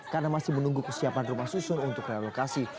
karena masih menunggu kesiapan rumah susun untuk relokasi